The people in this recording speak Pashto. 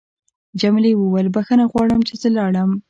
جميلې وويل: بخښنه غواړم چې زه لاړم.